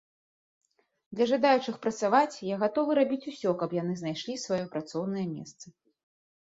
Для жадаючых працаваць я гатовы рабіць усё, каб яны знайшлі сваё працоўнае месца.